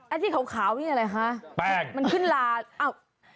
อันนี้ขาวนี่อะไรคะมันขึ้นลาอ้าวแป้ง